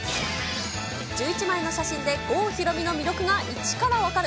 １１枚の写真で郷ひろみの魅力が１から分かる！